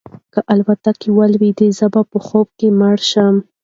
که الوتکه ولویده زه به په خوب کې مړ شم.